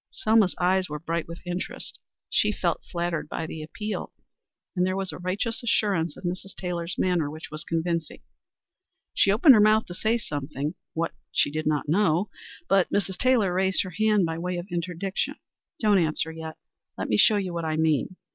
Selma's eyes were bright with interest. She felt flattered by the appeal, and there was a righteous assurance in Mrs. Taylor's manner which was convincing. She opened her mouth to say something what she did not quite know but Mrs. Taylor raised her hand by way of interdiction. "Don't answer yet. Let me show you what I mean.